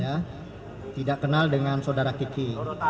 ya tidak kenal dengan saudara kiki